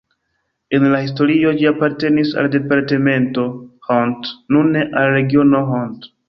En la historio ĝi apartenis al departemento Hont, nune al regiono Hont.